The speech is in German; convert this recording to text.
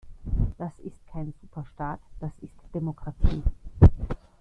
Das ist kein Superstaat, das ist Demokratie.